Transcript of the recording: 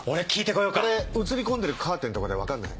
これ写り込んでるカーテンとかで分かんない？